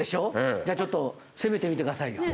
じゃあちょっと攻めてみて下さいよ。